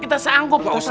kita sanggup pak ustadz